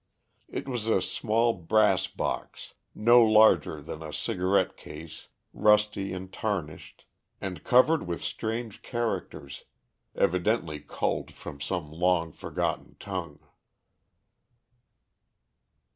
It was a small brass box no larger than a cigarette case, rusty and tarnished, and covered with strange characters, evidently culled from some long forgotten tongue.